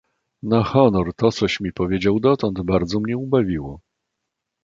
"Na honor, to coś mi powiedział dotąd, bardzo mnie ubawiło."